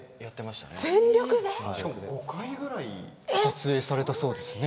しかも５回ぐらい撮影されたそうですね？